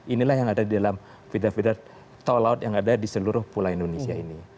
inilah yang ada di dalam feeder feeder tol laut yang ada di seluruh pulau indonesia ini